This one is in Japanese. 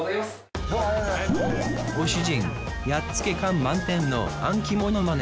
ご主人やっつけ感満点の暗記モノマネ